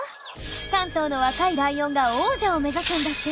３頭の若いライオンが王者を目指すんだって。